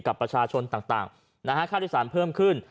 กับประชาชนต่างค่าโดยสารเพิ่มขึ้น